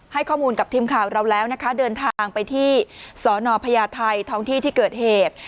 ให้ข้อมูลกับทีมข่าวเราแล้วนะคะเดินทางไปที่สนพญาไทยท้องที่ที่เกิดเหตุ